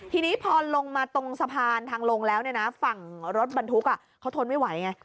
ทีนี้พอลงมาตรงสะพานทางลงแล้วฝั่งรถบรรทุกเขาทนไม่ไหวไง